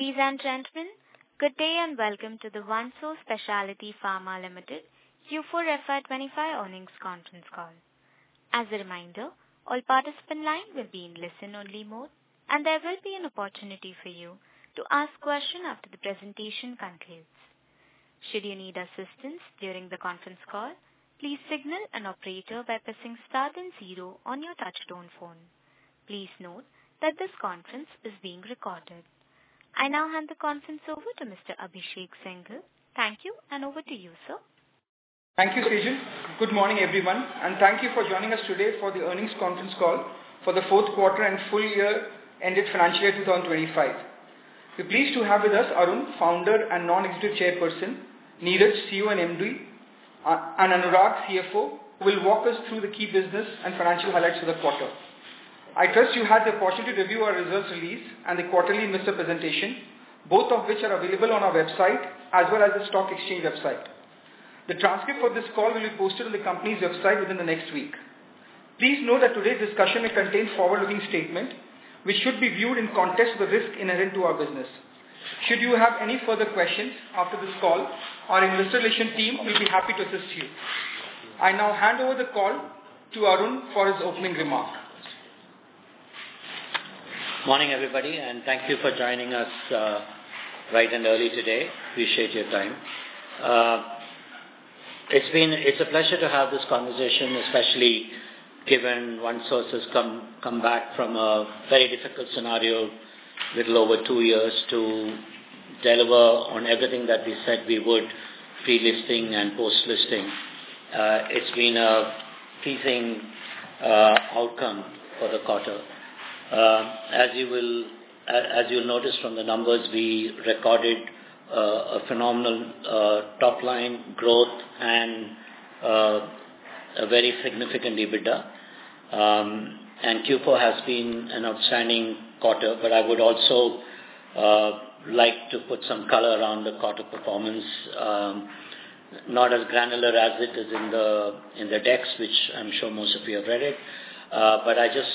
Welcome to the OneSource Specialty Pharma Limited Q4 FY 2025 earnings conference call. As a reminder, all participant lines will be in listen only mode. There will be an opportunity for you to ask questions after the presentation concludes. Should you need assistance during the conference call, please signal an operator by pressing Star then zero on your touchtone phone. Please note that this conference is being recorded. I now hand the conference over to Mr. Abhishek Singhal. Thank you. Over to you, sir. Thank you, Sejal. Good morning, everyone. Thank you for joining us today for the earnings conference call for the fourth quarter and full year ended financial year 2025. We are pleased to have with us Arun, Founder and Non-Executive Chairperson, Neeraj, CEO and MD, and Anurag, CFO, who will walk us through the key business and financial highlights for the quarter. I trust you had the opportunity to review our results release and the quarterly investor presentation, both of which are available on our website as well as the stock exchange website. The transcript for this call will be posted on the company's website within the next week. Please note that today's discussion may contain forward-looking statements which should be viewed in context of the risk inherent to our business. Should you have any further questions after this call, our investor relations team will be happy to assist you. I now hand over the call to Arun for his opening remarks. Morning, everybody. Thank you for joining us bright and early today. Appreciate your time. It is a pleasure to have this conversation, especially given OneSource has come back from a very difficult scenario a little over two years to deliver on everything that we said we would pre-listing and post-listing. It has been a pleasing outcome for the quarter. As you will notice from the numbers, we recorded a phenomenal top-line growth and a very significant EBITDA. Q4 has been an outstanding quarter. I would also like to put some color around the quarter performance, not as granular as it is in the decks, which I am sure most of you have read. I just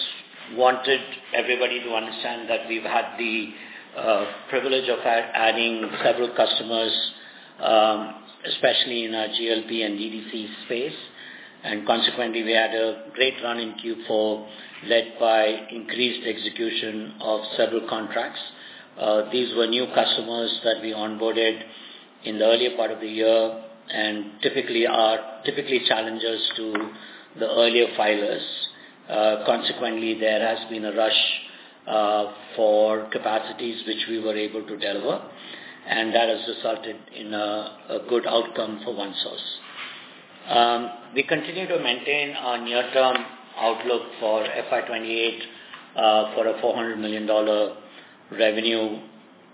wanted everybody to understand that we have had the privilege of adding several customers, especially in our GLP and DDC space. Consequently, we had a great run in Q4, led by increased execution of several contracts. These were new customers that we onboarded in the earlier part of the year and are typically challengers to the earlier filers. Consequently, there has been a rush for capacities which we were able to deliver, and that has resulted in a good outcome for OneSource Specialty Pharma. We continue to maintain our near-term outlook for FY 2028 for a $400 million revenue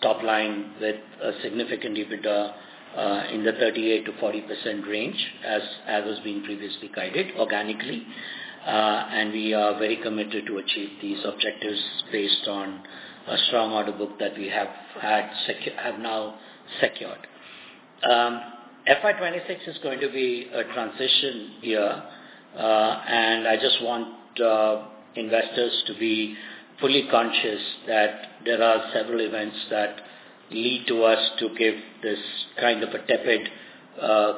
top line with a significant EBITDA in the 38%-40% range, as was being previously guided organically. We are very committed to achieve these objectives based on a strong order book that we have now secured. FY 2026 is going to be a transition year. I just want investors to be fully conscious that there are several events that lead to us to give this kind of a tepid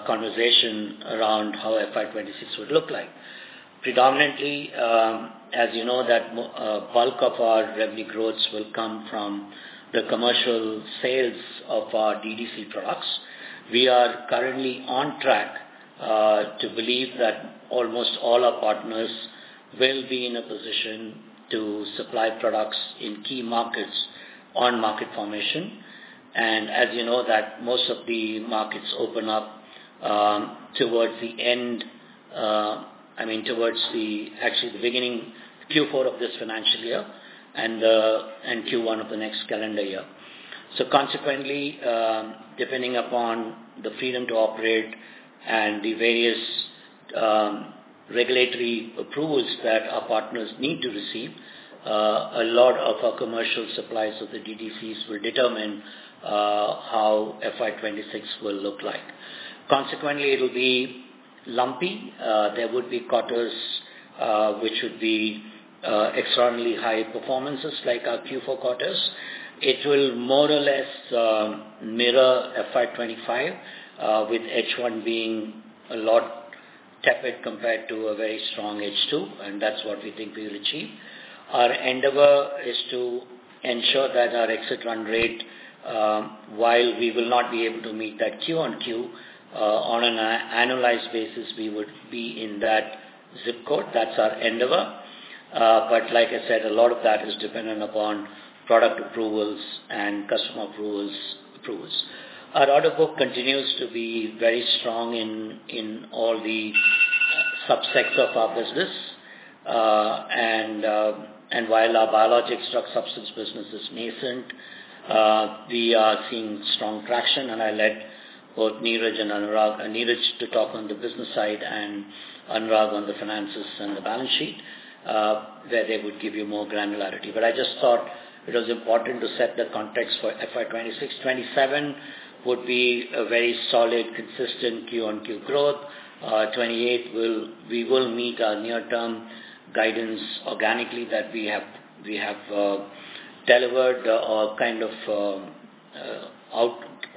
conversation around how FY 2026 would look like. Predominantly, as you know that bulk of our revenue growth will come from the commercial sales of our DDC products. We are currently on track to believe that almost all our partners will be in a position to supply products in key markets on market formation. As you know that most of the markets open up towards the end—actually the beginning Q4 of this financial year and Q1 of the next calendar year. Consequently, depending upon the freedom to operate and the various regulatory approvals that our partners need to receive, a lot of our commercial supplies of the DDCs will determine how FY 2026 will look like. Consequently, it'll be lumpy. There would be quarters which would be extraordinarily high performances like our Q4 quarters. It will more or less mirror FY 2025 with H1 being a lot tepid compared to a very strong H2, and that's what we think we will achieve. Our endeavor is to ensure that our exit run rate, while we will not be able to meet that quarter-on-quarter, on an annualized basis, we would be in that ZIP code. That's our endeavor. Like I said, a lot of that is dependent upon product approvals and customer approvals. Our order book continues to be very strong in all the sub-sectors of our business. While our biologic drug substance business is nascent, we are seeing strong traction, and I'll let both Neeraj to talk on the business side and Anurag on the finances and the balance sheet, where they would give you more granularity. I just thought it was important to set the context for FY 2026. 2027 would be a very solid, consistent quarter-on-quarter growth. 2028, we will meet our near-term Guidance organically that we have delivered or kind of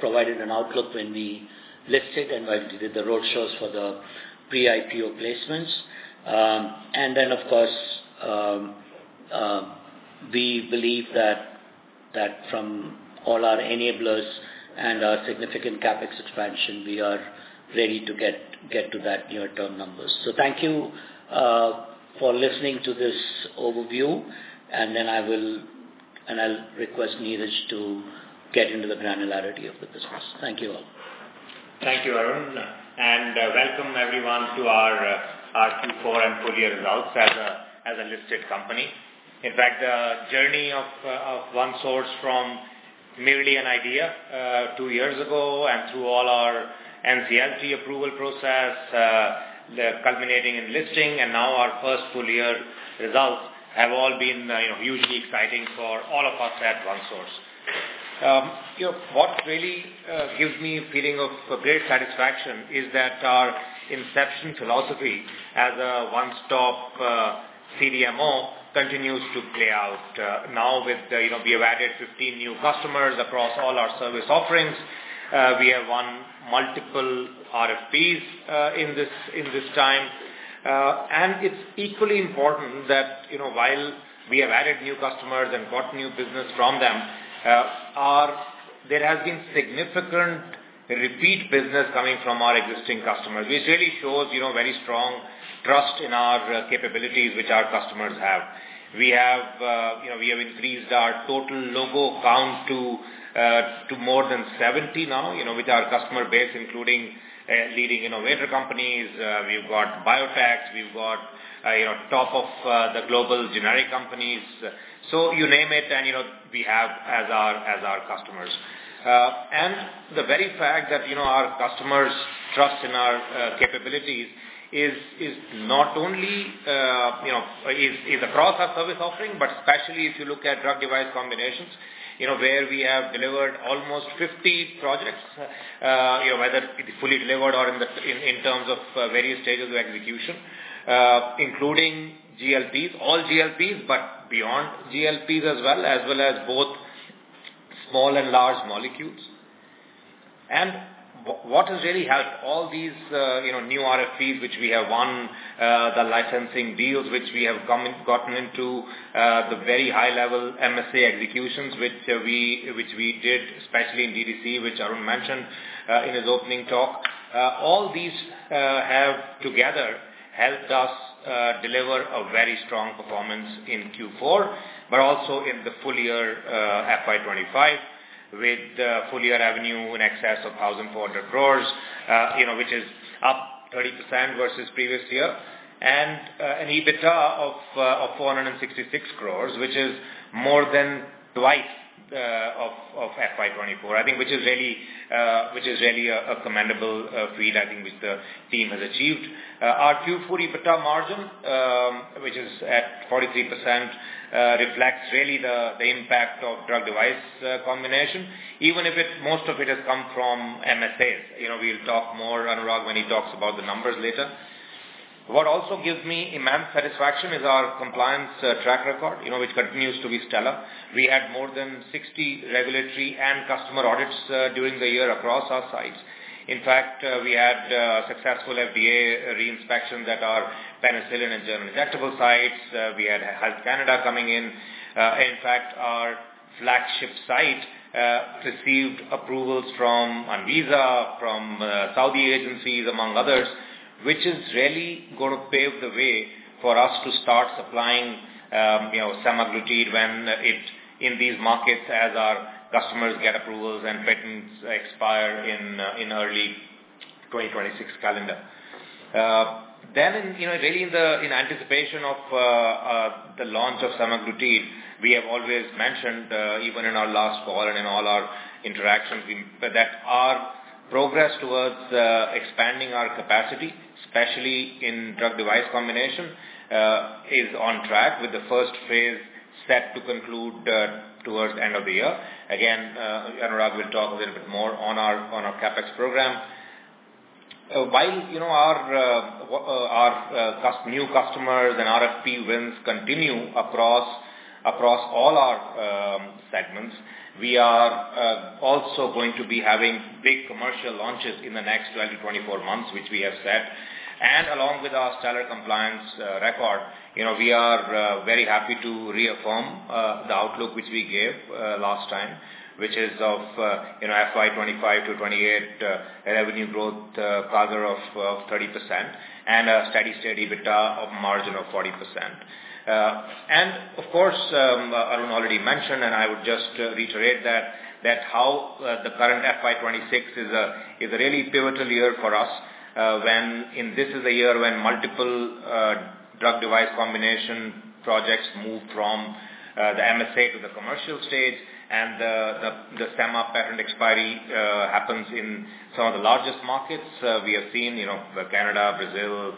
provided an outlook when we listed and when we did the roadshows for the pre-IPO placements. Then, of course, we believe that from all our enablers and our significant CapEx expansion, we are ready to get to that near-term numbers. Thank you for listening to this overview, and I'll request Neeraj to get into the granularity of the business. Thank you all. Thank you, Arun, and welcome everyone to our Q4 and full year results as a listed company. In fact, the journey of OneSource from merely an idea two years ago and through all our NCLT approval process, culminating in listing and now our first full year results have all been hugely exciting for all of us at OneSource. What really gives me a feeling of great satisfaction is that our inception philosophy as a one-stop CDMO continues to play out. We have added 15 new customers across all our service offerings. We have won multiple RFPs in this time. It's equally important that while we have added new customers and got new business from them, there has been significant repeat business coming from our existing customers, which really shows very strong trust in our capabilities which our customers have. We have increased our total logo count to more than 70 now, with our customer base, including leading innovator companies. We've got biotechs, we've got top of the global generic companies. You name it, and we have as our customers. The very fact that our customers trust in our capabilities is across our service offering, but especially if you look at Drug-Device Combinations, where we have delivered almost 50 projects, whether it is fully delivered or in terms of various stages of execution including GLPs, all GLPs, but beyond GLPs as well, as well as both small and large molecules. What has really helped all these new RFPs which we have won, the licensing deals which we have gotten into, the very high-level MSA executions which we did, especially in DDC, which Arun mentioned in his opening talk. All these have together helped us deliver a very strong performance in Q4, but also in the full year FY 2025, with full-year revenue in excess of 1,400 crores which is up 30% versus previous year. An EBITDA of 466 crores, which is more than twice of FY 2024. Which is really a commendable feat which the team has achieved. Our Q4 EBITDA margin which is at 43%, reflects really the impact of Drug-Device Combination, even if most of it has come from MSAs. We'll talk more, Anurag, when he talks about the numbers later. What also gives me immense satisfaction is our compliance track record which continues to be stellar. We had more than 60 regulatory and customer audits during the year across our sites. In fact, we had successful FDA re-inspections at our penicillin and injectable sites. We had Health Canada coming in. In fact, our flagship site received approvals from Anvisa, from Saudi agencies, among others, which is really going to pave the way for us to start supplying semaglutide when it's in these markets as our customers get approvals and patents expire in early 2026 calendar. Really in anticipation of the launch of semaglutide, we have always mentioned, even in our last call and in all our interactions, that our progress towards expanding our capacity, especially in Drug-Device Combination, is on track with the first phase set to conclude towards the end of the year. Again, Anurag will talk a little bit more on our CapEx program. While our new customers and RFP wins continue across all our segments, we are also going to be having big commercial launches in the next 12 to 24 months, which we have said. Along with our stellar compliance record, we are very happy to reaffirm the outlook which we gave last time, which is of FY 2025 to 2028, a revenue growth CAGR of 30% and a steady EBITDA margin of 40%. Of course, Arun already mentioned, I would just reiterate that how the current FY 2026 is a really pivotal year for us, when this is a year when multiple drug device combination projects move from the MSA to the commercial stage and the sema patent expiry happens in some of the largest markets. We have seen Canada, Brazil,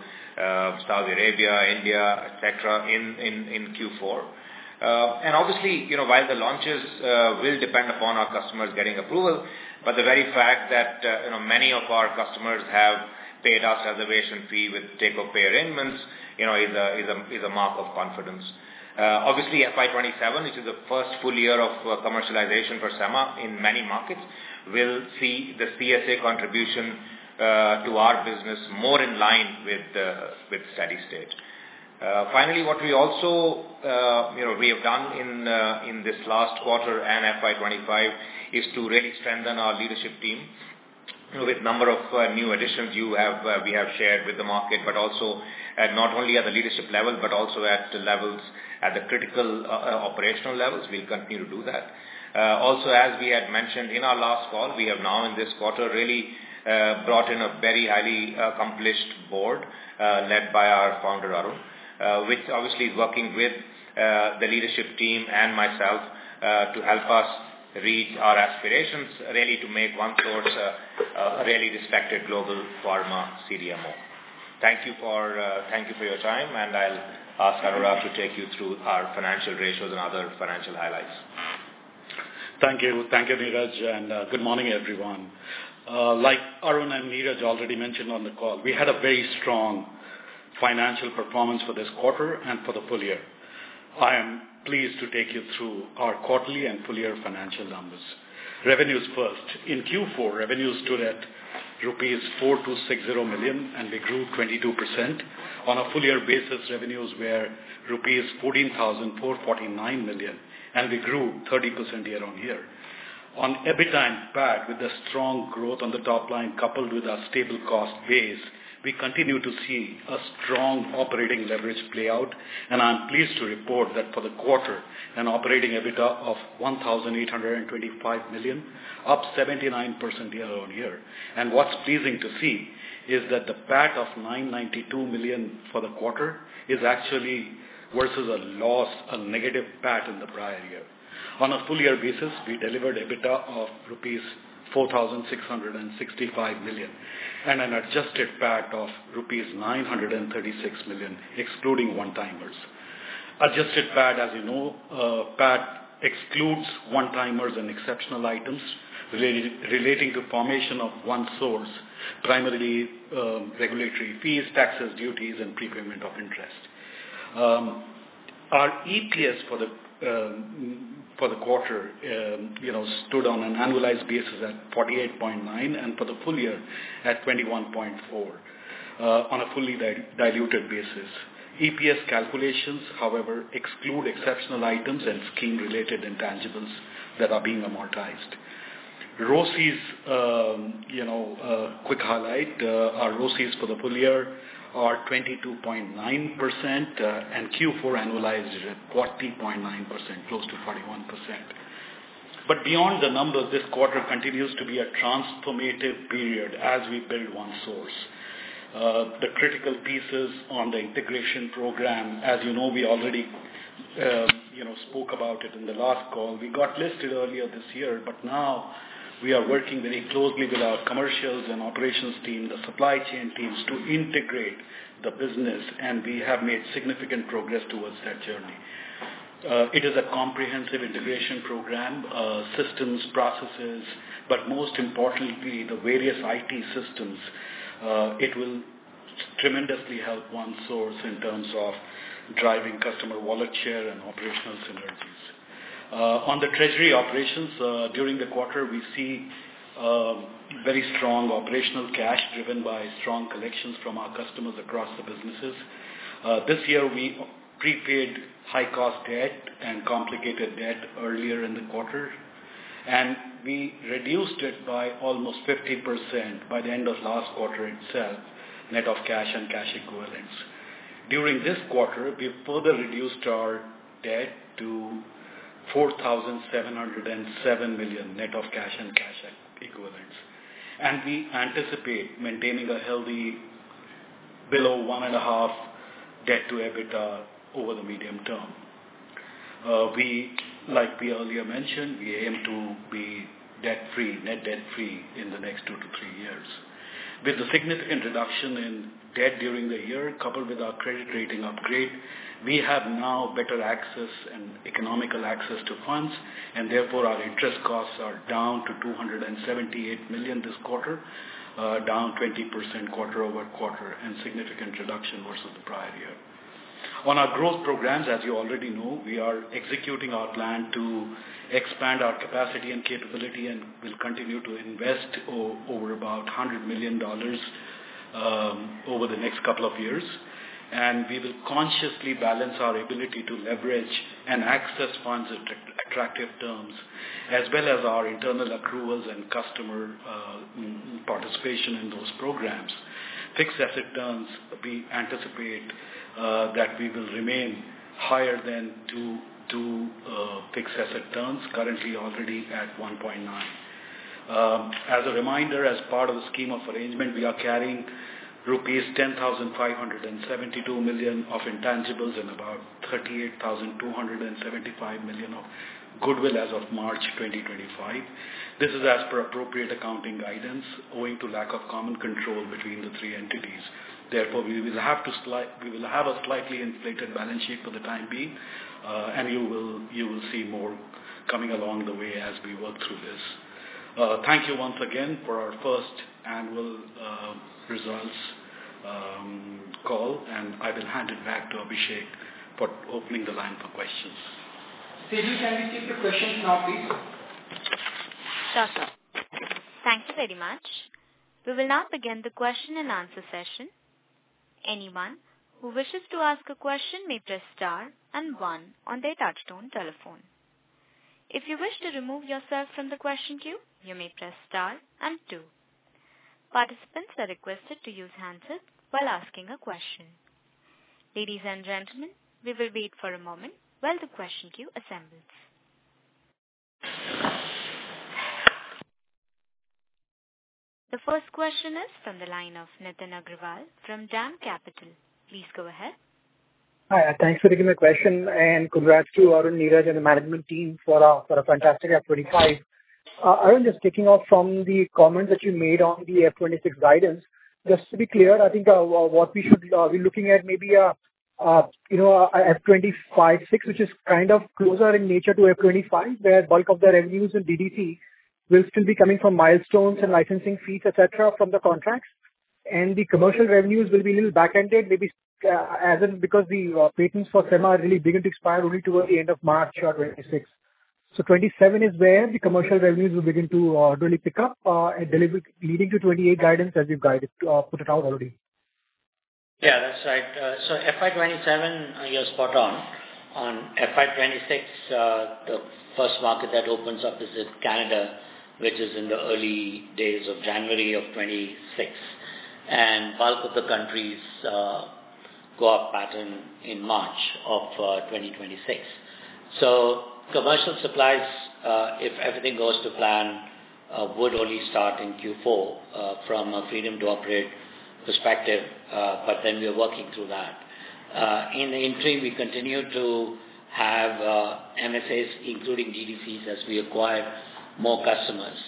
Saudi Arabia, India, et cetera, in Q4. Obviously, while the launches will depend upon our customers getting approval, but the very fact that many of our customers have paid us reservation fee with take-or-pay arrangements is a mark of confidence. Obviously, FY 2027, which is the first full year of commercialization for sema in many markets, will see the CSA contribution to our business more in line with steady state. Finally, what we also have done in this last quarter and FY 2025 is to really strengthen our leadership team with number of new additions we have shared with the market, but also at not only at the leadership level, but also at the critical operational levels. We will continue to do that. Also, as we had mentioned in our last call, we have now in this quarter really brought in a very highly accomplished board, led by our founder, Arun, which obviously is working with the leadership team and myself to help us reach our aspirations, really to make OneSource a really respected global pharma CDMO. Thank you for your time, I'll ask Arara to take you through our financial ratios and other financial highlights. Thank you, Neeraj, good morning, everyone. Like Arun and Neeraj already mentioned on the call, we had a very strong financial performance for this quarter and for the full year. I am pleased to take you through our quarterly and full-year financial numbers. Revenues first. In Q4, revenues stood at rupees 4,260 million, we grew 22%. On a full-year basis, revenues were rupees 14,449 million, we grew 30% year-on-year. On EBITDA and PAT, with the strong growth on the top line coupled with our stable cost base, we continue to see a strong operating leverage play out, I'm pleased to report that for the quarter, an operating EBITDA of 1,825 million, up 79% year-on-year. What's pleasing to see is that the PAT of 992 million for the quarter is actually versus a loss, a negative PAT in the prior year. On a full-year basis, we delivered EBITDA of rupees 4,665 million and an adjusted PAT of rupees 936 million, excluding one-timers. Adjusted PAT, as you know, PAT excludes one-timers and exceptional items relating to formation of OneSource, primarily regulatory fees, taxes, duties, and prepayment of interest. Our EPS for the quarter stood on an annualized basis at 48.9 and for the full year at 21.4 on a fully-diluted basis. EPS calculations, however, exclude exceptional items and scheme-related intangibles that are being amortized. ROCEs, quick highlight, our ROCEs for the full year are 22.9% and Q4 annualized is at 40.9%, close to 41%. Beyond the numbers, this quarter continues to be a transformative period as we build OneSource. The critical pieces on the integration program, as you know, we already spoke about it in the last call. We got listed earlier this year, but now we are working very closely with our commercials and operations team, the supply chain teams to integrate the business, and we have made significant progress towards that journey. It is a comprehensive integration program of systems, processes, but most importantly, the various IT systems. It will tremendously help OneSource in terms of driving customer wallet share and operational synergies. On the treasury operations, during the quarter, we see very strong operational cash driven by strong collections from our customers across the businesses. This year, we prepaid high-cost debt and complicated debt earlier in the quarter, and we reduced it by almost 50% by the end of last quarter itself, net of cash and cash equivalents. During this quarter, we further reduced our debt to 4,707 million net of cash and cash equivalents. We anticipate maintaining a healthy below 1.5 debt to EBITDA over the medium term. Like we earlier mentioned, we aim to be net debt-free in the next 2-3 years. With the significant reduction in debt during the year, coupled with our credit rating upgrade, we have now better access and economical access to funds, and therefore our interest costs are down to 278 million this quarter, down 20% quarter-over-quarter, and significant reduction versus the prior year. On our growth programs, as you already know, we are executing our plan to expand our capacity and capability and will continue to invest over about $100 million over the next couple of years. We will consciously balance our ability to leverage and access funds at attractive terms, as well as our internal accruals and customer participation in those programs. Fixed asset turns, we anticipate that we will remain higher than 2 fixed asset turns, currently already at 1.9. As a reminder, as part of the scheme of arrangement, we are carrying rupees 10,572 million of intangibles and about 38,275 million of goodwill as of March 2025. This is as per appropriate accounting guidance owing to lack of common control between the 3 entities. Therefore, we will have a slightly inflated balance sheet for the time being, and you will see more coming along the way as we work through this. Thank you once again for our first annual results call, and I will hand it back to Abhishek for opening the line for questions. Sidu, can we take the questions now, please? Sure, sir. Thank you very much. We will now begin the question and answer session. Anyone who wishes to ask a question may press star and one on their touch-tone telephone. If you wish to remove yourself from the question queue, you may press star and two. Participants are requested to use handsets while asking a question. Ladies and gentlemen, we will wait for a moment while the question queue assembles. The first question is from the line of Nitin Agrawal from DAM Capital. Please go ahead. Hi, thanks for taking my question and congrats to Arun, Neeraj, and the management team for a fantastic FY 2025. Arun, just kicking off from the comments that you made on the FY 2026 guidance. Just to be clear, I think what we should be looking at maybe a FY 2025, FY 2026, which is kind of closer in nature to FY 2025, where bulk of the revenues in DDC will still be coming from milestones and licensing fees, et cetera, from the contracts and the commercial revenues will be a little back-ended, maybe as in because the patents for SEMA really begin to expire only towards the end of March of FY 2026. FY 2027 is where the commercial revenues will begin to really pick up and deliver leading to FY 2028 guidance as you've put it out already. Yeah, that's right. FY 2027, you are spot on. On FY 2026, the first market that opens up is in Canada, which is in the early days of January of 2026 and bulk of the countries go off pattern in March of 2026. Commercial supplies, if everything goes to plan, would only start in Q4 from a freedom-to-operate perspective. We are working through that. In the interim, we continue to have MSAs including DDCs as we acquire more customers.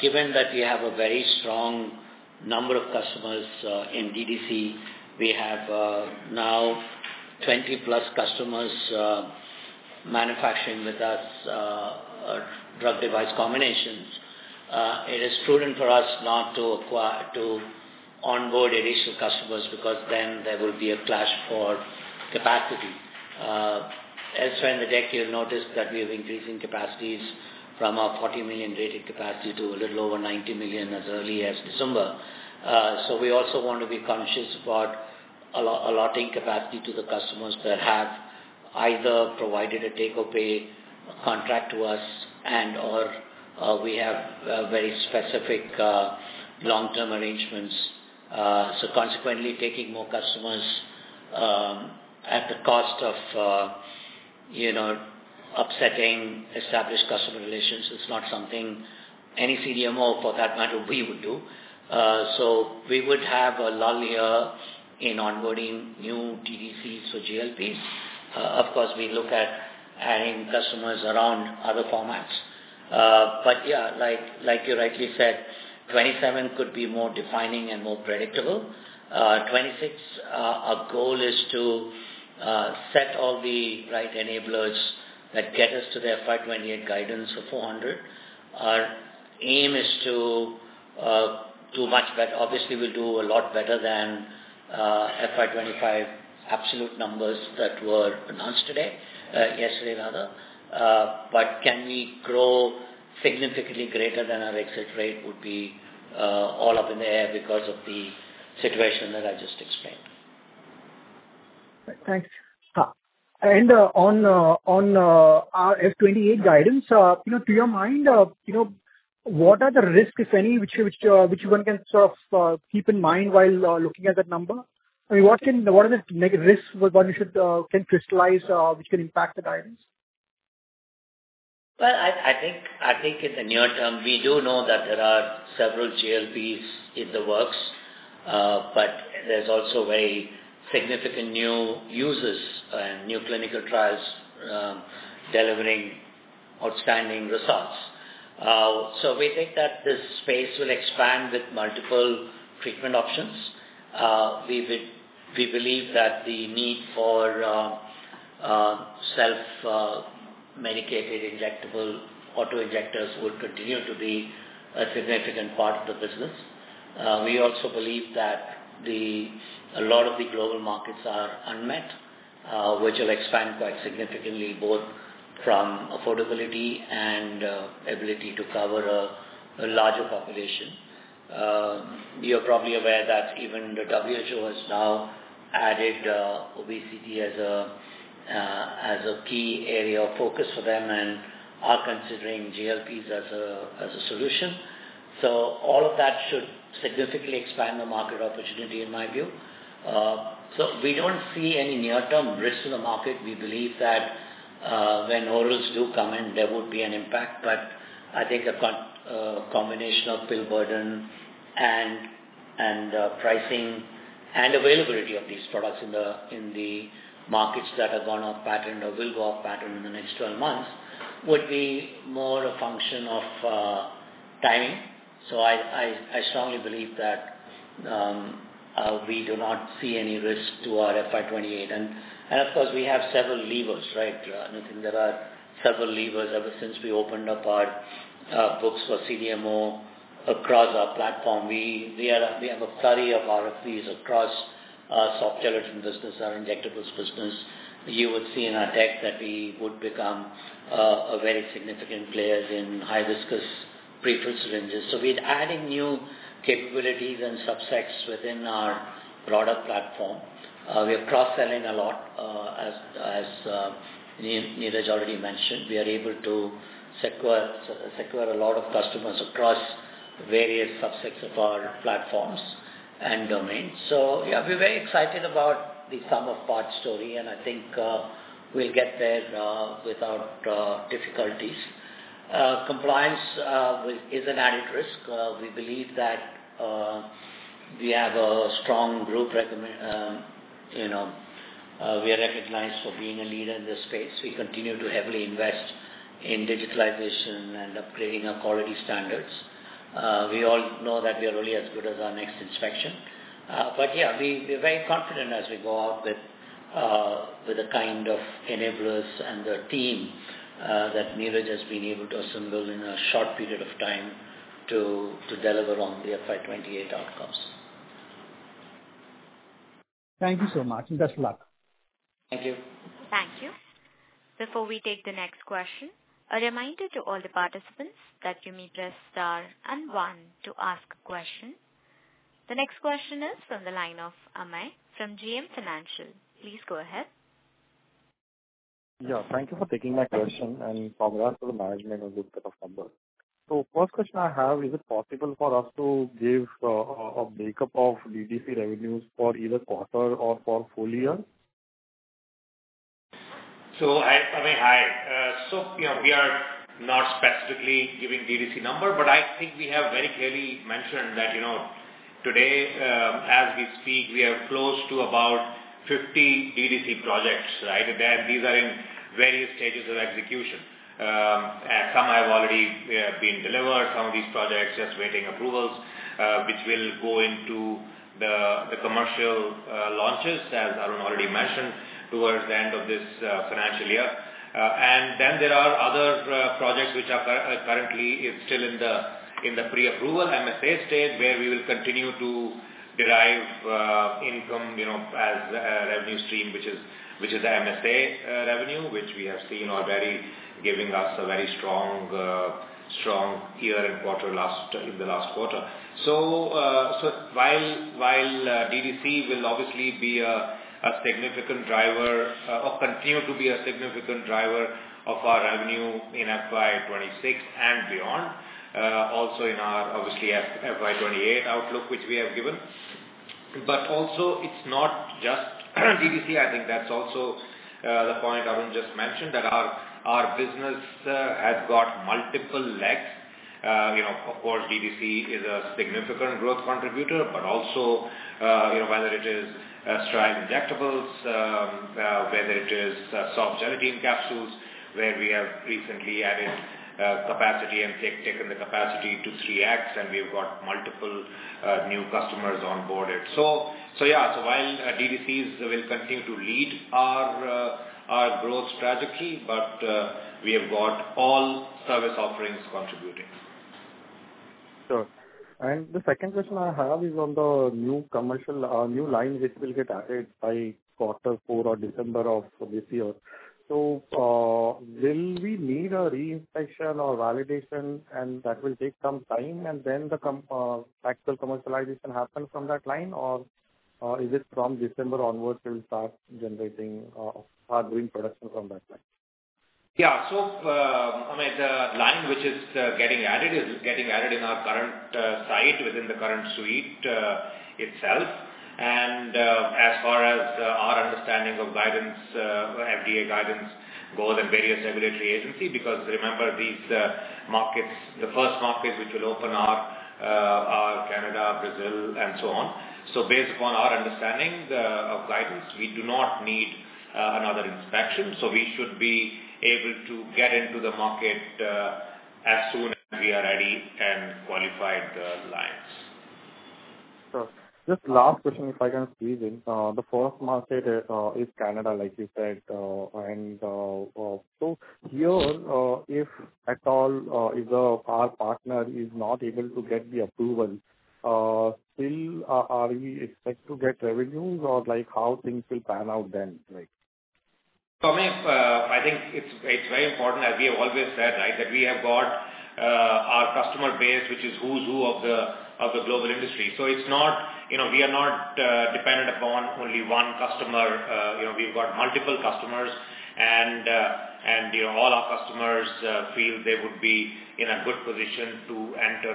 Given that we have a very strong number of customers in DDC, we have now 20+ customers manufacturing with us Drug-Device Combinations. It is prudent for us not to onboard additional customers because then there will be a clash for capacity. Elsewhere in the deck, you will notice that we are increasing capacities from our 40 million rated capacity to a little over 90 million as early as December. We also want to be conscious about allotting capacity to the customers that have either provided a take-or-pay contract to us and or we have very specific long-term arrangements. Consequently, taking more customers at the cost of upsetting established customer relations is not something any CDMO, for that matter, we would do. We would have a lull year in onboarding new DDCs for GLP-1s. Of course, we look at adding customers around other formats. Yeah, like you rightly said, 2027 could be more defining and more predictable. 2026, our goal is to set all the right enablers that get us to the FY 2028 guidance of $400 million. Our aim is to do much better. Obviously, we will do a lot better than FY 2025 absolute numbers that were announced today, yesterday rather. Can we grow significantly greater than our exit rate would be all up in the air because of the situation that I just explained. Thanks. On our FY 2028 guidance, to your mind, what are the risks, if any, which one can sort of keep in mind while looking at that number? What are the risks one should crystallize which can impact the guidance? I think in the near term, we do know that there are several GLPs in the works, but there's also very significant new uses and new clinical trials delivering outstanding results. We think that this space will expand with multiple treatment options. We believe that the need for self-medicated injectable auto-injectors will continue to be a significant part of the business. We also believe that a lot of the global markets are unmet, which will expand quite significantly, both from affordability and ability to cover a larger population. You're probably aware that even the WHO has now added obesity as a key area of focus for them and are considering GLPs as a solution. All of that should significantly expand the market opportunity in my view. We don't see any near-term risks to the market. We believe that when orals do come in, there would be an impact, I think a combination of pill burden and pricing and availability of these products in the markets that have gone off pattern or will go off pattern in the next 12 months would be more a function of timing. I strongly believe that we do not see any risk to our FY 2028. Of course, we have several levers, right, Nitin? There are several levers ever since we opened up our books for CDMO across our platform. We have a flurry of RFPs across our soft gelatin business, our injectables business. You would see in our deck that we would become a very significant player in high-viscous pre-filled syringes. We're adding new capabilities and subsets within our product platform. We are cross-selling a lot as Neeraj already mentioned. We are able to secure a lot of customers across various subsets of our platforms and domains. Yeah, we're very excited about the sum of parts story, I think we'll get there without difficulties. Compliance is an added risk. We believe that we have a strong group. We are recognized for being a leader in this space. We continue to heavily invest in digitalization and upgrading our quality standards. We all know that we are only as good as our next inspection. Yeah, we're very confident as we go out with the kind of enablers and the team that Neeraj has been able to assemble in a short period of time to deliver on the FY 2028 outcomes. Thank you so much, best of luck. Thank you. Thank you. Before we take the next question, a reminder to all the participants that you may press star and one to ask a question. The next question is from the line of Amay from GM Financial. Please go ahead. Yeah. Thank you for taking my question and congrats to the management on good set of numbers. First question I have, is it possible for us to give a makeup of DDC revenues for either quarter or for full year? Amay, hi. We are not specifically giving DDC number, but I think we have very clearly mentioned that today, as we speak, we are close to about 50 DDC projects. These are in various stages of execution. Some have already been delivered. Some of these projects are just waiting approvals which will go into the commercial launches, as Arun already mentioned, towards the end of this financial year. Then there are other projects which are currently still in the pre-approval MSA stage, where we will continue to derive income as a revenue stream, which is the MSA revenue, which we have seen already giving us a very strong year in the last quarter. While DDC will obviously continue to be a significant driver of our revenue in FY 2026 and beyond, also in our FY 2028 outlook, which we have given. Also, it's not just DDC. I think that's also the point Arun just mentioned, that our business has got multiple legs. Of course, DDC is a significant growth contributor, but also whether it is Steriscience injectables, whether it is soft gelatin capsules, where we have recently added capacity and taken the capacity to 3x, and we've got multiple new customers onboarded. Yeah, while DDCs will continue to lead our growth strategy, but we have got all service offerings contributing. Sure. The second question I have is on the new line which will get added by quarter four or December of this year. Will we need a re-inspection or validation and that will take some time, and then the actual commercialization happens from that line? Or is it from December onwards, we'll start doing production from that line? Yeah. Amay, the line which is getting added is getting added in our current site within the current suite itself. As far as our understanding of FDA guidance goes and various regulatory agency, because remember, the first markets which will open are Canada, Brazil, and so on. Based upon our understanding of guidance, we do not need another inspection. We should be able to get into the market as soon as we are ready and qualified the lines. Sure. Just last question, if I can squeeze in. The first market is Canada, like you said. Here, if at all our partner is not able to get the approval, still are we expect to get revenues or how things will pan out then? Amay, I think it's very important, as we have always said, that we have got our customer base, which is who's who of the global industry. We are not dependent upon only one customer. We've got multiple customers and all our customers feel they would be in a good position to enter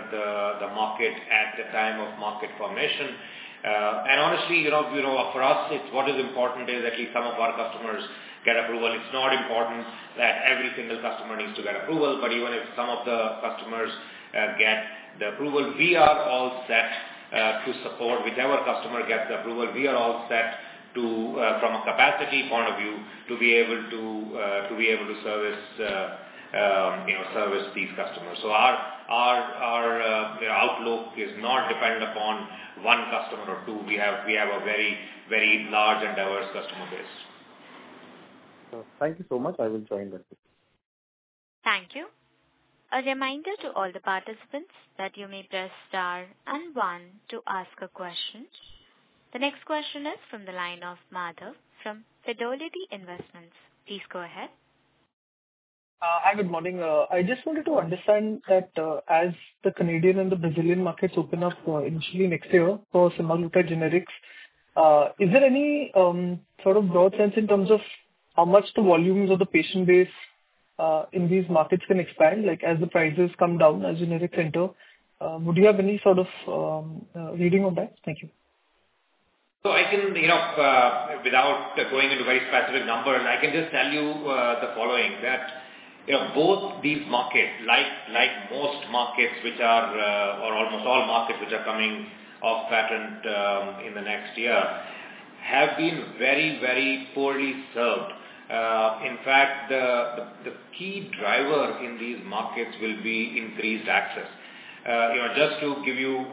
the market at the time of market formation. Honestly, for us, what is important is at least some of our customers get approval. It's not important that every single customer needs to get approval, even if some of the customers get the approval, we are all set to support whichever customer gets the approval. We are all set from a capacity point of view, to be able to service these customers. Our look is not dependent upon one customer or two. We have a very large and diverse customer base. Thank you so much. I will join that. Thank you. A reminder to all the participants that you may press star and one to ask a question. The next question is from the line of Madhav from Fidelity Investments. Please go ahead. Hi. Good morning. I just wanted to understand that as the Canadian and the Brazilian markets open up initially next year for semaglutide generics, is there any sort of broad sense in terms of how much the volumes of the patient base in these markets can expand, like as the prices come down as generics enter? Would you have any sort of reading on that? Thank you. Without going into very specific numbers, I can just tell you the following, that both these markets or almost all markets which are coming off patent in the next year, have been very poorly served. In fact, the key driver in these markets will be increased access. Just to give you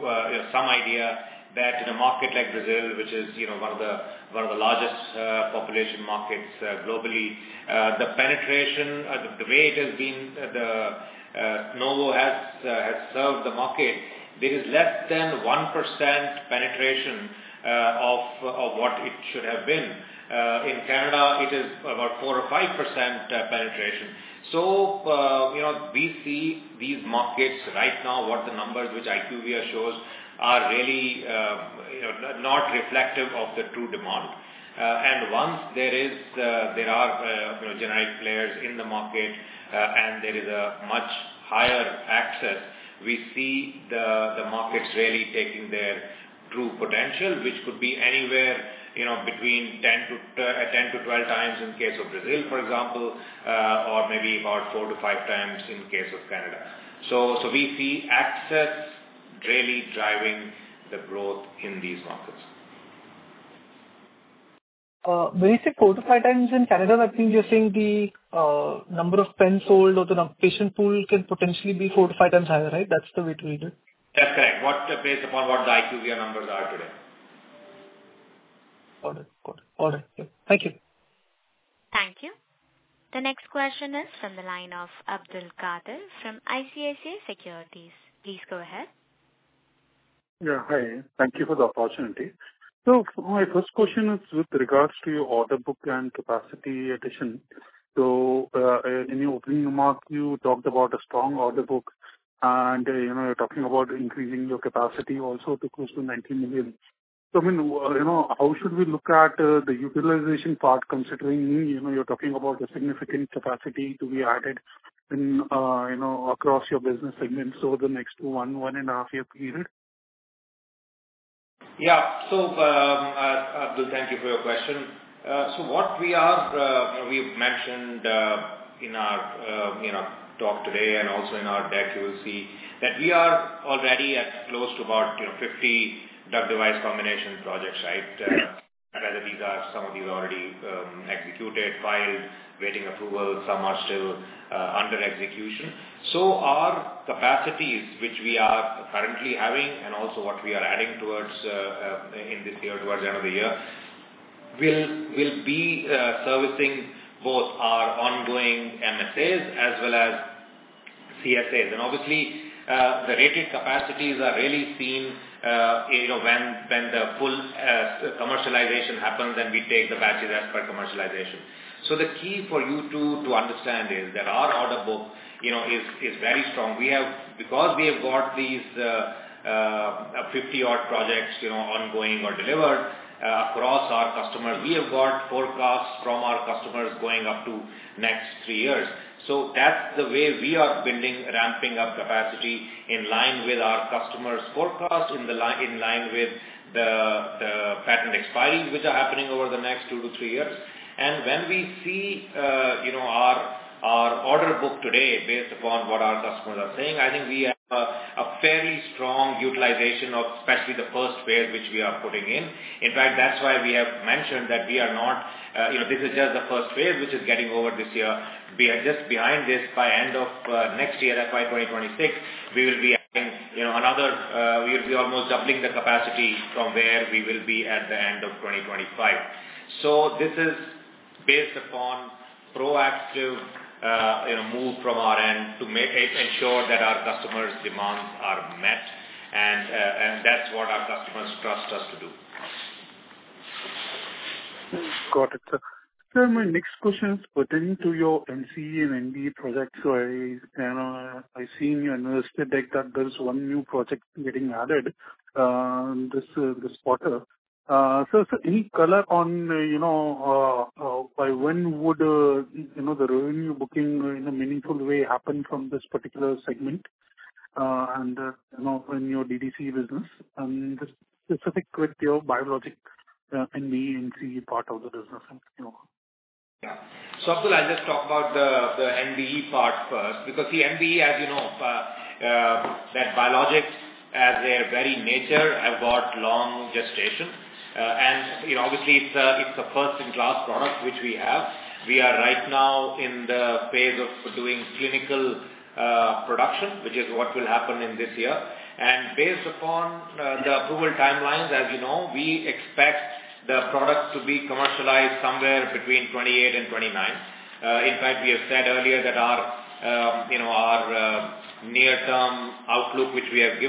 some idea, that in a market like Brazil, which is one of the largest population markets globally, the way it has been, Novo has served the market, there is less than 1% penetration of what it should have been. In Canada, it is about 4% or 5% penetration. We see these markets right now, what the numbers which IQVIA shows are really not reflective of the true demand. Once there are generic players in the market and there is a much higher access, we see the markets really taking their true potential, which could be anywhere between 10-12 times in case of Brazil, for example, or maybe about four to five times in case of Canada. We see access really driving the growth in these markets. When you say four to five times in Canada, I think you're saying the number of pens sold or the patient pool can potentially be four to five times higher, right? That's the way to read it. That's right. Based upon what the IQVIA numbers are today. Got it. Okay. Thank you. Thank you. The next question is from the line of Abdul Puranwala from ICICI Securities. Please go ahead. Yeah. Hi. Thank you for the opportunity. My first question is with regards to your order book and capacity addition. In your opening remark, you talked about a strong order book and you are talking about increasing your capacity also to close to 90 million. How should we look at the utilization part considering you are talking about a significant capacity to be added across your business segments over the next one and a half year period? Yeah. Abdul, thank you for your question. We have mentioned in our talk today and also in our deck, you will see that we are already at close to about 50 Drug-Device Combination projects. Some of these are already executed, filed, waiting approval, some are still under execution. Our capacities, which we are currently having and also what we are adding towards the end of the year, will be servicing both our ongoing MSAs as well as CSAs. Obviously, the rated capacities are really seen when the full commercialization happens and we take the batches as per commercialization. The key for you to understand is that our order book is very strong. We have got these 50 odd projects ongoing or delivered across our customers, we have got forecasts from our customers going up to next three years. That's the way we are building, ramping up capacity in line with our customers' forecast, in line with the patent expiries, which are happening over the next two to three years. When we see our order book today based upon what our customers are saying, I think we have a fairly strong utilization of especially the first phase which we are putting in. In fact, that's why we have mentioned that this is just the first phase which is getting over this year. Just behind this, by end of next year, FY 2026, we will be almost doubling the capacity from where we will be at the end of 2025. This is based upon proactive move from our end to ensure that our customers' demands are met and that's what our customers trust us to do. Got it, sir. Sir, my next question is pertaining to your NCE and NBE projects. I've seen in your investor deck that there's one new project getting added this quarter. Any color on by when would the revenue booking in a meaningful way happen from this particular segment in your DDC business, and specific with your biologics, NBE, NCE part of the business? Abdul, I'll just talk about the NBE part first because the NBE, as you know, that biologics as their very nature have got long gestation. Obviously it's a first-in-class product which we have. We are right now in the phase of doing clinical production, which is what will happen in this year. Based upon the approval timelines, as you know, we expect the product to be commercialized somewhere between 2028 and 2029. In fact, we have said earlier that our near-term outlook which we have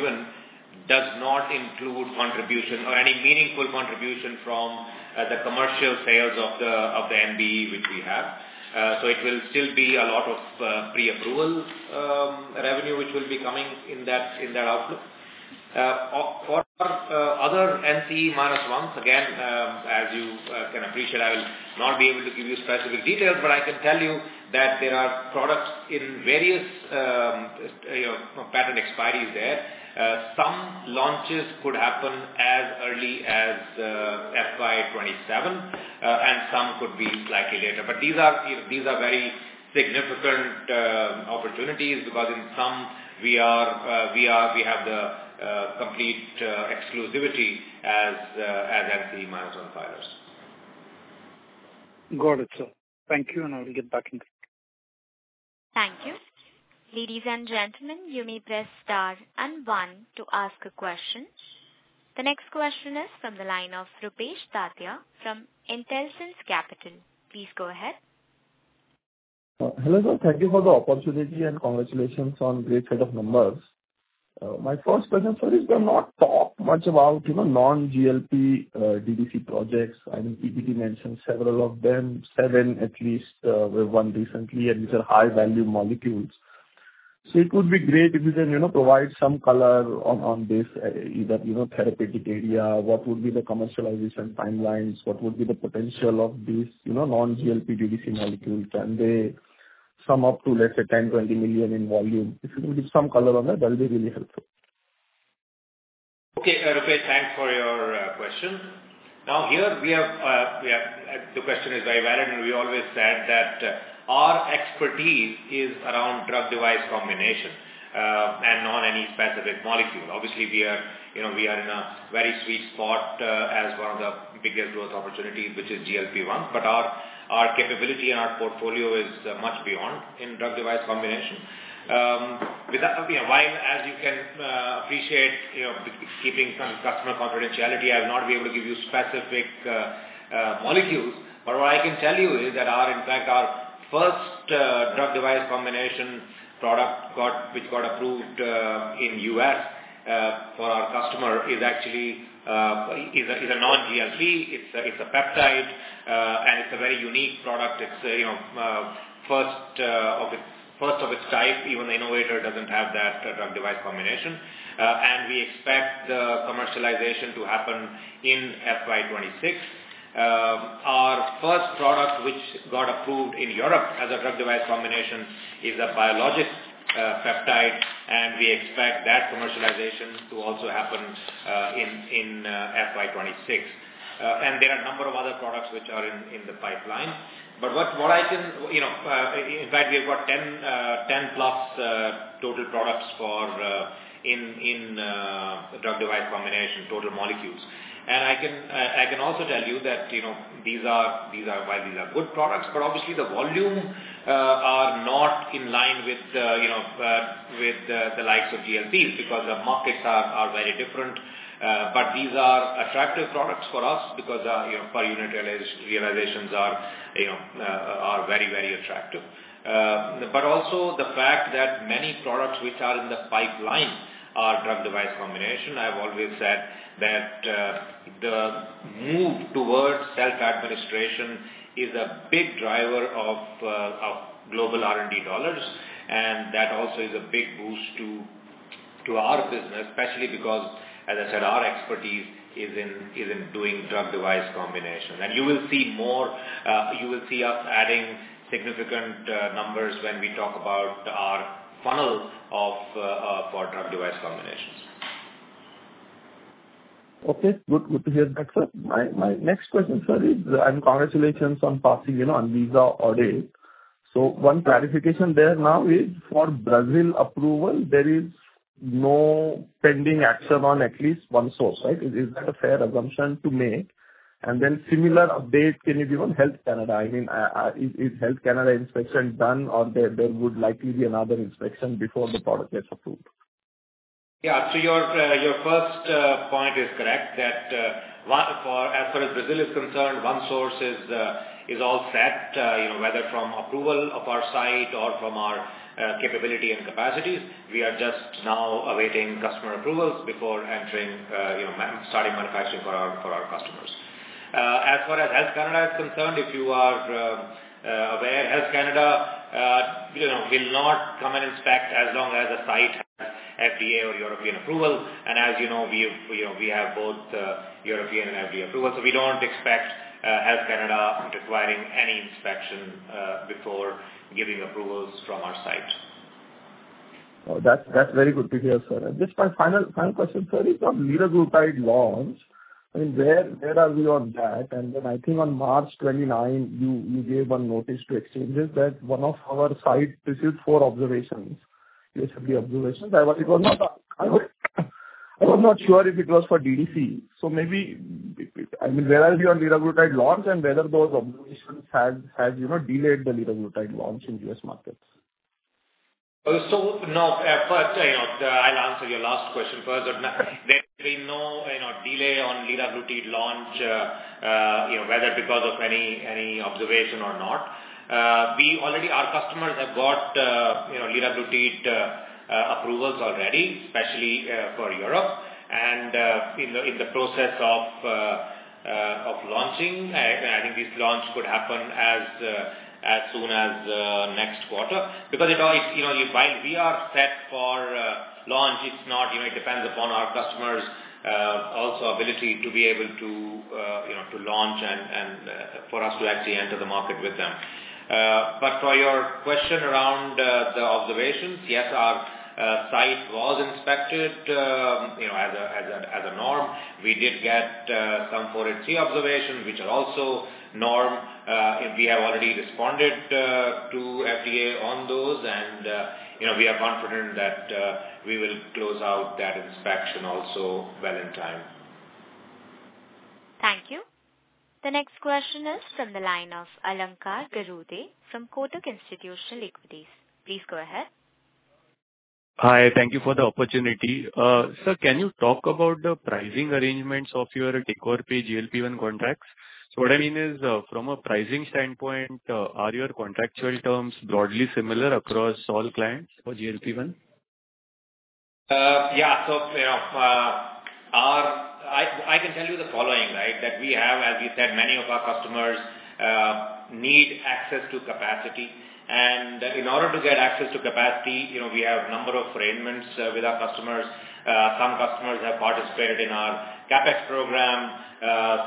given does not include any meaningful contribution from the commercial sales of the NBE which we have. It will still be a lot of pre-approval revenue which will be coming in that outlook. For other NCE-1s, again, as you can appreciate, I will not be able to give you specific details, but I can tell you that there are products in various patent expiries there. Some launches could happen as early as FY 2027 and some could be slightly later. These are very significant opportunities because in some we have the complete exclusivity as NCE-1 filers. Got it, sir. Thank you. I will get back in queue. Thank you. Ladies and gentlemen, you may press star and one to ask a question. The next question is from the line of Rupesh Tatiya from Intelsense Capital. Please go ahead. Hello, sir. Thank you for the opportunity. Congratulations on great set of numbers. My first question for you is you have not talked much about non-GLP DDC projects. I mean, YBD mentioned several of them, seven at least, one recently. These are high-value molecules. It would be great if you can provide some color on this, either therapeutic area, what would be the commercialization timelines, what would be the potential of these non-GLP DDC molecules. Can they sum up to, let's say, 10 million, 20 million in volume? If you can give some color on that'll be really helpful. Okay, Rupesh, thanks for your question. Here the question is very valid. We always said that our expertise is around drug device combination and not any specific molecule. Obviously, we are in a very sweet spot as one of the biggest growth opportunities, which is GLP-1. Our capability and our portfolio is much beyond in drug device combination. As you can appreciate, keeping some customer confidentiality, I will not be able to give you specific molecules. What I can tell you is that in fact our first drug device combination product which got approved in U.S. for our customer is actually a non-GLP. It's a peptide. It's a very unique product. It's first of its type. Even the innovator doesn't have that drug device combination. We expect the commercialization to happen in FY 2026. Our first product which got approved in Europe as a drug device combination is a biologic peptide, we expect that commercialization to also happen in FY 2026. There are a number of other products which are in the pipeline. In fact, we've got 10 plus total products in drug device combination, total molecules. I can also tell you that these are good products, obviously the volume are not in line with the likes of GLP-1s because the markets are very different. These are attractive products for us because our per unit realizations are very attractive. Also the fact that many products which are in the pipeline are drug device combination. I've always said that the move towards self-administration is a big driver of global R&D dollars, that also is a big boost to our business, especially because, as I said, our expertise is in doing drug device combination. You will see us adding significant numbers when we talk about our funnel for drug device combinations. Okay. Good to hear that, sir. My next question, sir, is congratulations on passing on Anvisa audit. One clarification there now is for Brazil approval, there is no pending action on at least OneSource, right? Is that a fair assumption to make? Then similar update, can you give on Health Canada? I mean, is Health Canada inspection done or there would likely be another inspection before the product gets approved? Yeah. Your first point is correct that as far as Brazil is concerned OneSource is all set, whether from approval of our site or from our capability and capacities. We are just now awaiting customer approvals before starting manufacturing for our customers. As far as Health Canada is concerned, if you are aware, Health Canada will not come and inspect as long as a site has FDA or European approval. As you know, we have both European and FDA approval, we don't expect Health Canada requiring any inspection before giving approvals from our site. That's very good to hear, sir. Just my final question, sir, is on liraglutide launch. I mean, where are we on that? I think on March 29, you gave one notice to exchanges that one of our sites received four observations. Basically, observations I'm not sure if it was for DDC. Maybe, where are we on liraglutide launch and whether those observations had delayed the liraglutide launch in U.S. markets? No. First, I'll answer your last question first. There's been no delay on liraglutide launch, whether because of any observation or not. Already, our customers have got liraglutide approvals already, especially for Europe, and in the process of launching. I think this launch could happen as soon as next quarter, because while we are set for launch, it depends upon our customers also ability to be able to launch and for us to actually enter the market with them. For your question around the observations, yes, our site was inspected as a norm. We did get some 483 observations, which are also norm. We have already responded to FDA on those and we are confident that we will close out that inspection also well in time. Thank you. The next question is from the line of Alankar Garude from Kotak Institutional Equities. Please go ahead. Hi, thank you for the opportunity. Sir, can you talk about the pricing arrangements of your take-or-pay GLP-1 contracts? What I mean is, from a pricing standpoint, are your contractual terms broadly similar across all clients for GLP-1? I can tell you the following, that we have, as we said, many of our customers need access to capacity. In order to get access to capacity, we have number of arrangements with our customers. Some customers have participated in our CapEx program.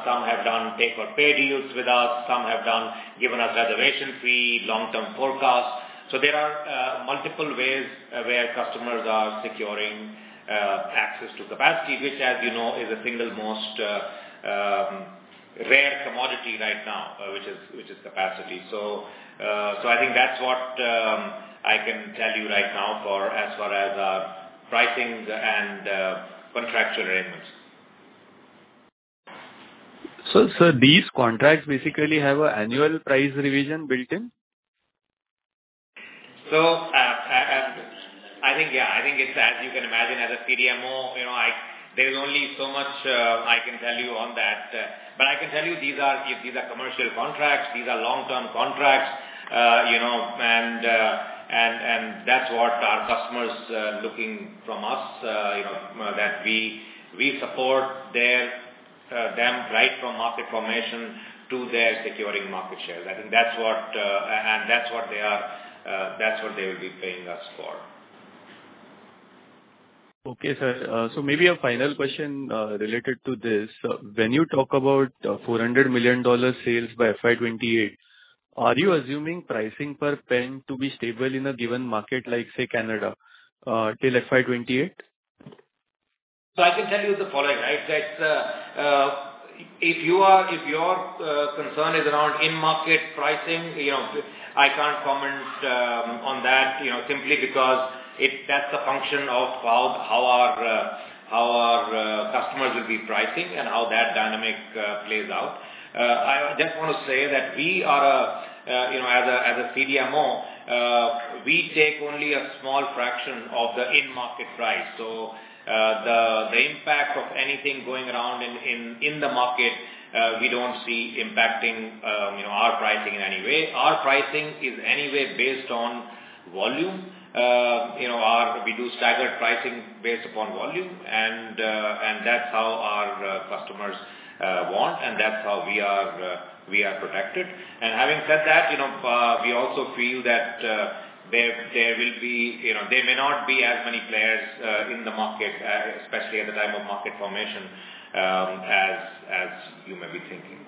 Some have done pay-for-pay deals with us. Some have given us reservation fee, long-term forecast. There are multiple ways where customers are securing access to capacity, which as you know, is the single most rare commodity right now, which is capacity. I think that's what I can tell you right now as far as pricing and contractual arrangements. Sir, these contracts basically have a annual price revision built in? I think, yeah. I think it's as you can imagine as a CDMO, there's only so much I can tell you on that. I can tell you these are commercial contracts. These are long-term contracts, and that's what our customers are looking from us, that we support them right from market formation to their securing market share. That's what they will be paying us for. Okay, sir. Maybe a final question related to this. When you talk about $400 million sales by FY 2028, are you assuming pricing per pen to be stable in a given market like, say, Canada till FY 2028? I can tell you the following. If your concern is around in-market pricing, I cannot comment on that, simply because that is a function of how our customers will be pricing and how that dynamic plays out. I just want to say that as a CDMO, we take only a small fraction of the in-market price. The impact of anything going around in the market, we do not see impacting our pricing in any way. Our pricing is anyway based on volume. We do staggered pricing based upon volume, and that is how our customers want, and that is how we are protected. Having said that, we also feel that there may not be as many players in the market, especially at the time of market formation, as you may be thinking.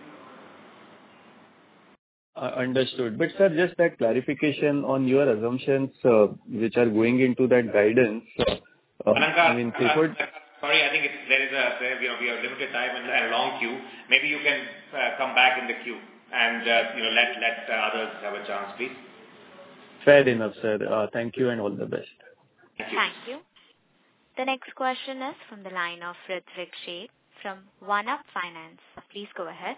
Understood. Sir, just that clarification on your assumptions which are going into that guidance. Alankar, sorry, I think we have limited time and a long queue. Maybe you can come back in the queue and let others have a chance, please. Fair enough, sir. Thank you, and all the best. Thank you. The next question is from the line of Ritvik Sheth from OneUp Finance. Please go ahead.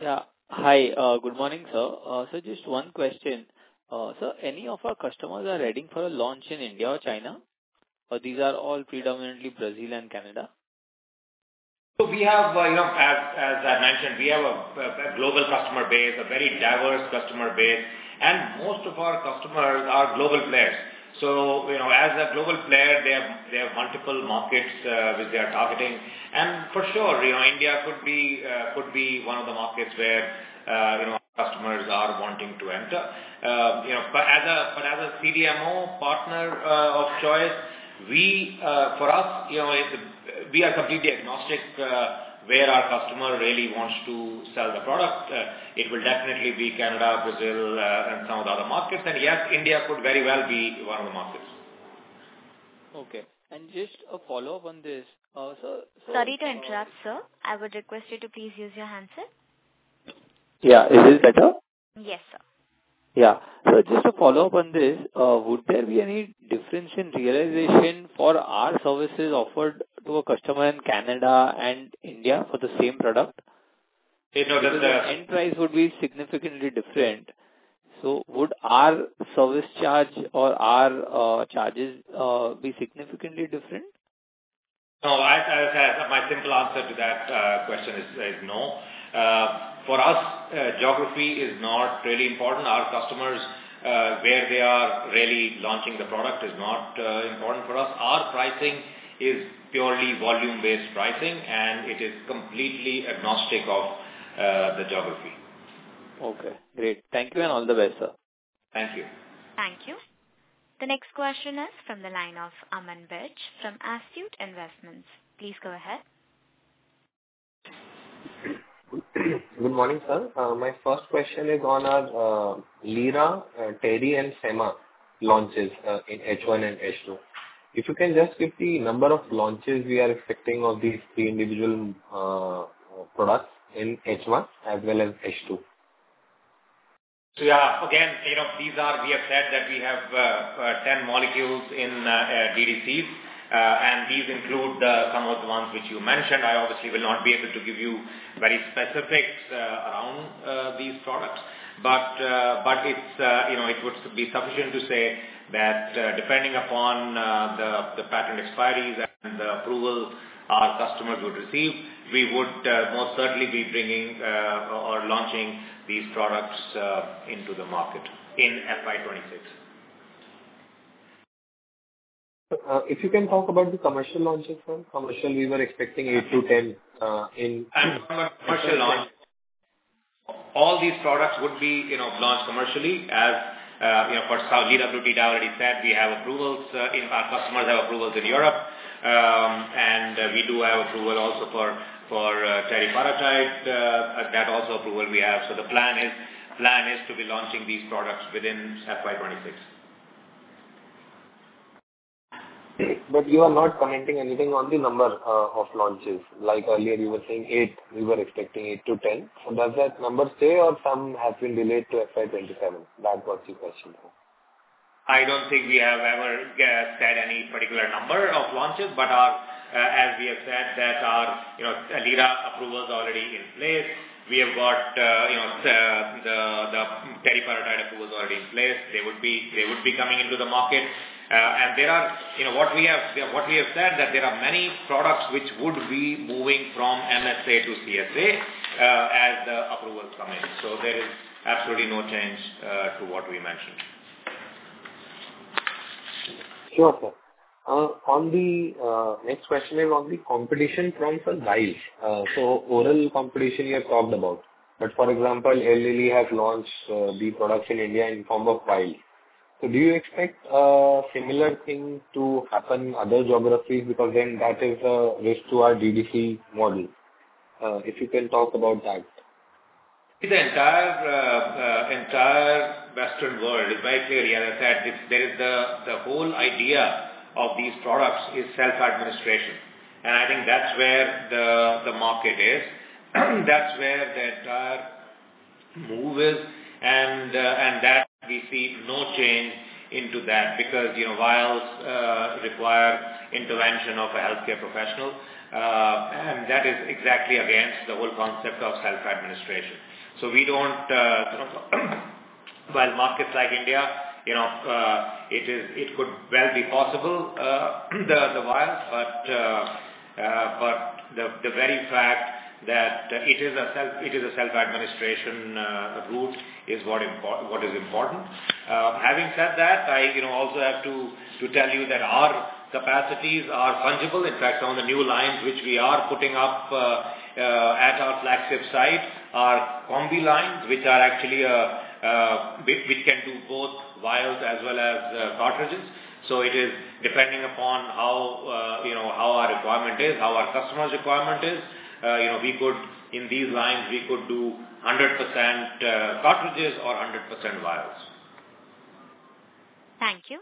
Yeah. Hi. Good morning, sir. Sir, just one question. Sir, any of our customers are ready for a launch in India or China? These are all predominantly Brazil and Canada? As I mentioned, we have a global customer base, a very diverse customer base. Most of our customers are global players. As a global player, they have multiple markets which they are targeting. For sure, India could be one of the markets where customers are wanting to enter. As a CDMO partner of choice, for us, we are completely agnostic where our customer really wants to sell the product. It will definitely be Canada, Brazil, and some of the other markets. Yes, India could very well be one of the markets. Okay. Just a follow-up on this. Sorry to interrupt, sir. I would request you to please use your handset Yeah. Is this better? Yes, sir. Yeah. Just to follow up on this, would there be any difference in realization for our services offered to a customer in Canada and India for the same product? No. The end price would be significantly different. Would our service charge or our charges be significantly different? No. My simple answer to that question is no. For us, geography is not really important. Where our customers are launching the product is not important for us. Our pricing is purely volume-based pricing, and it is completely agnostic of the geography. Okay, great. Thank you and all the best, sir. Thank you. Thank you. The next question is from the line of Aman Birch from Astute Investments. Please go ahead. Good morning, sir. My first question is on our liraglutide, teriparatide, and semaglutide launches in H1 and H2. If you can just give the number of launches we are expecting of these three individual products in H1 as well as H2. Yeah. Again, we have said that we have 10 molecules in DDCs, and these include some of the ones which you mentioned. I obviously will not be able to give you very specifics around these products. It would be sufficient to say that depending upon the patent expiries and the approval our customers would receive, we would most certainly be bringing or launching these products into the market in FY 2026. If you can talk about the commercial launches, sir. Commercially, we were expecting 8-10. Commercial launch. All these products would be launched commercially. As for liraglutide, Rupita already said our customers have approvals in Europe. We do have approval also for teriparatide. That also approval we have. The plan is to be launching these products within FY 2026. You are not commenting anything on the number of launches. Earlier you were saying eight, we were expecting 8 to 10. Does that number stay or some has been delayed to FY 2027? That was the question. I don't think we have ever said any particular number of launches, but as we have said that our liraglutide approval is already in place. We have got the teriparatide approval already in place. They would be coming into the market. What we have said, that there are many products which would be moving from MSA to CSA as the approvals come in. There is absolutely no change to what we mentioned. Sure, sir. Next question is on the competition from, sir, vials. Oral competition you have talked about. For example, Lilly has launched the products in India in form of vials. Do you expect a similar thing to happen in other geographies? Then that is a risk to our DDC model. If you can talk about that. In the entire Western world, it's very clear. As I said, the whole idea of these products is self-administration. I think that's where the market is, that's where that move is, and that we see no change into that because vials require intervention of a healthcare professional, and that is exactly against the whole concept of self-administration. We don't while markets like India, it could well be possible, the vials, but the very fact that it is a self-administration route is what is important. Having said that, I also have to tell you that our capacities are fungible. In fact, on the new lines which we are putting up at our flagship sites are combi lines, which can do both vials as well as cartridges. It is depending upon how our requirement is, how our customer's requirement is. In these lines, we could do 100% cartridges or 100% vials. Thank you.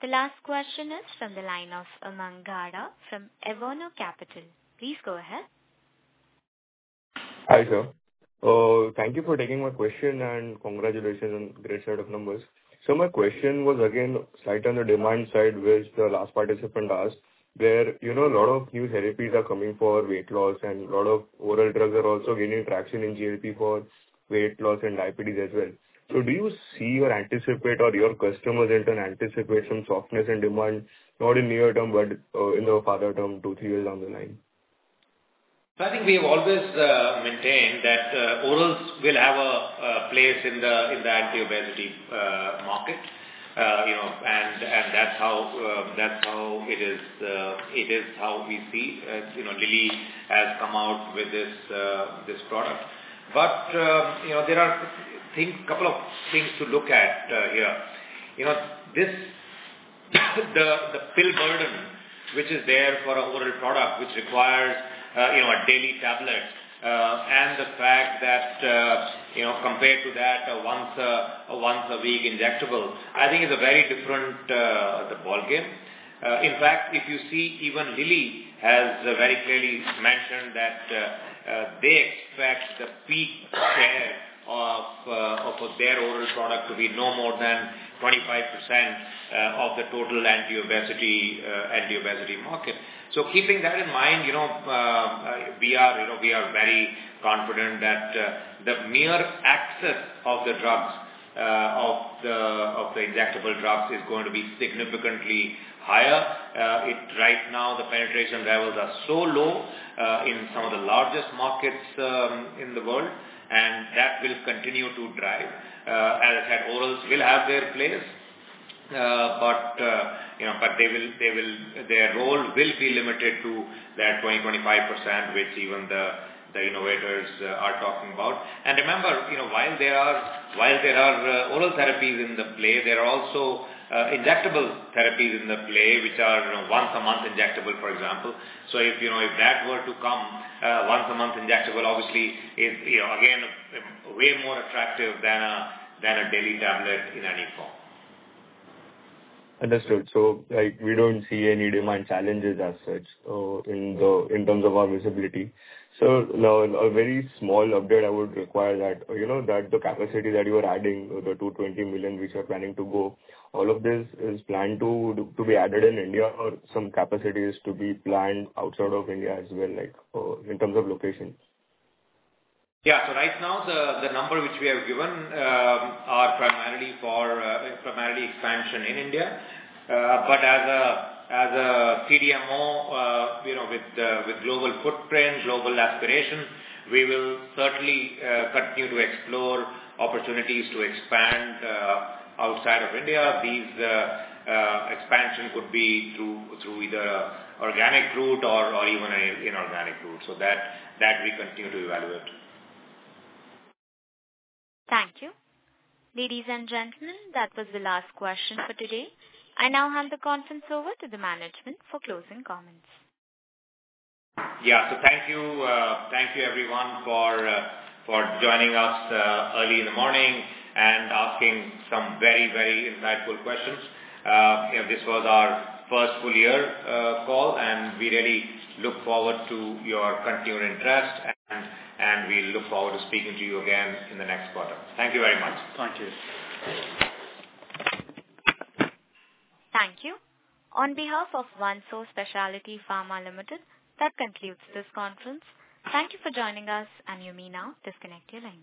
The last question is from the line of Aman Gada from Avono Capital. Please go ahead. Hi, sir. Thank you for taking my question and congratulations on great set of numbers. My question was again, slight on the demand side, which the last participant asked, where a lot of new therapies are coming for weight loss and a lot of oral drugs are also gaining traction in GLP for weight loss and diabetes as well. Do you see or anticipate or your customers in turn anticipate some softness in demand, not in near term, but in the farther term, 2, 3 years down the line? I think we have always maintained that orals will have a place in the anti-obesity market. That's how we see as Eli Lilly and Company has come out with this product. There are a couple of things to look at here. The pill burden, which is there for an oral product, which requires a daily tablet, and the fact that, compared to that, a once-a-week injectable, I think is a very different ballgame. In fact, if you see, even Eli Lilly and Company has very clearly mentioned that they expect the peak. Their oral product will be no more than 25% of the total anti-obesity market. Keeping that in mind, we are very confident that the mere access of the injectable drugs is going to be significantly higher. Right now, the penetration levels are so low in some of the largest markets in the world, that will continue to drive, as oral will have their place. Their role will be limited to that 20%-25%, which even the innovators are talking about. Remember, while there are oral therapies in play, there are also injectable therapies in play, which are once-a-month injectable, for example. If that were to come, once-a-month injectable, obviously, is again, way more attractive than a daily tablet in any form. Understood. We don't see any demand challenges as such in terms of our visibility. A very small update I would require that the capacity that you are adding, the 220 million, which you're planning to go, all of this is planned to be added in India or some capacities to be planned outside of India as well, in terms of location? Right now the number which we have given are primarily for expansion in India. As a CDMO with global footprint, global aspiration, we will certainly continue to explore opportunities to expand outside of India. These expansion could be through either organic route or even inorganic route. That we continue to evaluate. Thank you. Ladies and gentlemen, that was the last question for today. I now hand the conference over to the management for closing comments. Yeah. Thank you everyone for joining us early in the morning and asking some very, very insightful questions. This was our first full year call, and we really look forward to your continued interest, and we look forward to speaking to you again in the next quarter. Thank you very much. Thank you. Thank you. On behalf of OneSource Specialty Pharma Limited, that concludes this conference. Thank you for joining us and you may now disconnect your line.